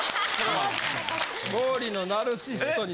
毛利のナルシストについて。